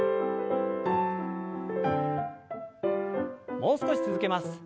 もう少し続けます。